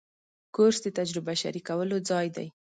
کورس د تجربه شریکولو ځای دی.